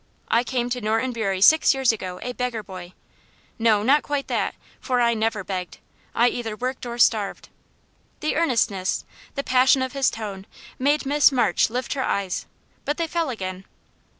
I came to Norton Bury six years ago a beggar boy. No, not quite that for I never begged! I either worked or starved." The earnestness, the passion of his tone, made Miss March lift her eyes, but they fell again.